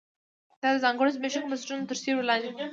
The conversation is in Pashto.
دا د ځانګړو زبېښونکو بنسټونو تر سیوري لاندې و